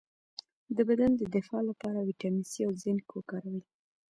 د بدن د دفاع لپاره ویټامین سي او زنک وکاروئ